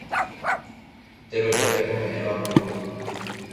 Teroja tekome'ẽva puru.